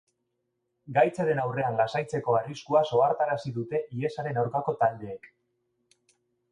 Gaitzaren aurrean lasaitzeko arriskuaz ohartarazi dute hiesaren aurkako taldeek.